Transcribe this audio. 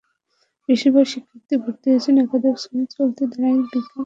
বেশির ভাগ শিক্ষার্থী ভর্তি হচ্ছে একাদশ শ্রেণীর প্রচলিত ধারায়—বিজ্ঞান, কলা কিংবা বাণিজ্যে।